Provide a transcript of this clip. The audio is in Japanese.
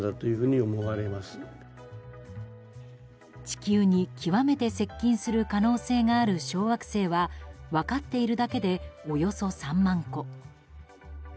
地球に極めて接近する可能性がある小惑星は分かっているだけでおよそ３万個。